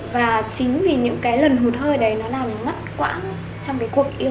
và chính vì những cái lần hụt hơi đấy nó làm mất quãng trong cái cuộc yêu cầu